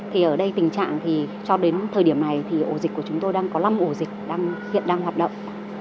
thì ở đây tình trạng thì cho đến thời điểm này thì ổ dịch của chúng tôi đang có năm ổ dịch đang hiện đang hoạt động